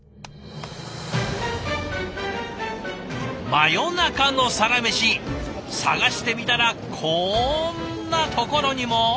真夜中のサラメシ探してみたらこんなところにも！